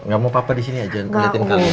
gak mau bapak disini aja ngeliatin kalian